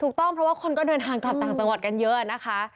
ถูกต้องเพราะว่าคนก็เดินทางกลับต่างจังหวัดกันเยอะนะคะ